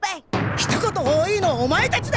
ひと言多いのはオマエたちだ！